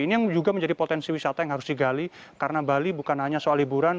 ini yang juga menjadi potensi wisata yang harus digali karena bali bukan hanya soal liburan